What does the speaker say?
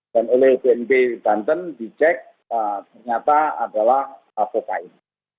dan oleh bnp banten dicek ternyata adalah pokain